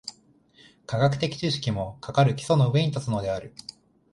科学的知識も、かかる基礎の上に立つのである。